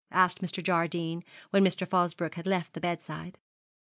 asked Mr. Jardine, when Mr. Fosbroke had left the bedside.